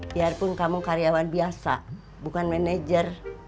biarpun kamu karyawan biasa bukan manajer